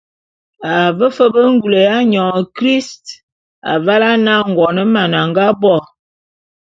A ve fe be ngule ya nyôn christ avale ane Angoneman a nga bo.